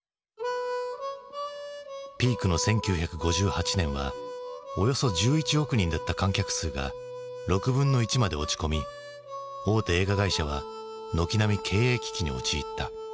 ピークの１９５８年はおよそ１１億人だった観客数が６分の１まで落ち込み大手映画会社は軒並み経営危機に陥った。